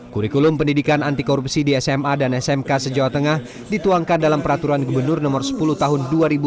kurikulum pendidikan anti korupsi di sma dan smk se jawa tengah dituangkan dalam peraturan gubernur no sepuluh tahun dua ribu dua puluh